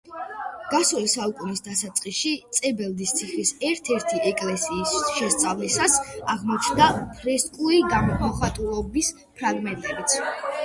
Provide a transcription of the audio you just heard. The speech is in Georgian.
გასული საუკუნის დასაწყისში წებელდის ციხის ერთ-ერთი ეკლესიის შესწავლისას აღმოჩნდა ფრესკული მოხატულობის ფრაგმენტებიც.